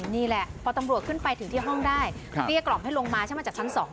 นี่แหละพอตำรวจขึ้นไปถึงที่ห้องได้เกลี้ยกล่อมให้ลงมาใช่ไหมจากชั้น๒